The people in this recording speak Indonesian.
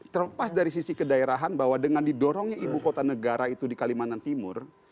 terlepas dari sisi kedaerahan bahwa dengan didorongnya ibu kota negara itu di kalimantan timur